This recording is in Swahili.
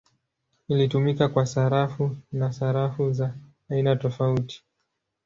Ilitumika kwa sarafu na sarafu za aina tofauti.